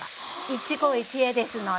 一期一会ですので。